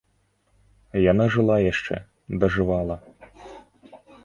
Яна жыла яшчэ, дажывала.